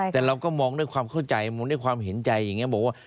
แต่เราก็มองด้วยความเข้าใจมองด้วยความเห็นใจอย่างนี้บอกว่า